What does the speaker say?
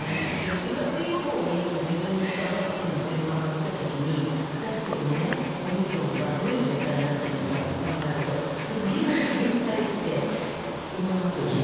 だけど４月以降に自分がワクチンの順番が来たときに、果たしてこのね、オミクロンがどういう状態になっているのかって考えると、やっぱり今すぐ打ちたいって思いますよね。